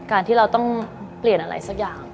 การที่เราต้องเปลี่ยนอะไรสักอย่าง